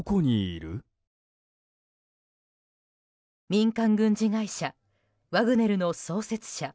民間軍事会社ワグネルの創設者